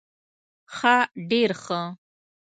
ښه ډير ښه